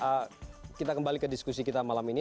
baik kita kembali ke diskusi kita malam ini